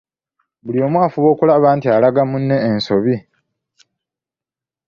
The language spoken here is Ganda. Buli omu afuba okulaba nti alaga munne ensobi.